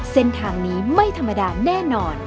เส้นทางนี้ไม่ธรรมดาแน่นอน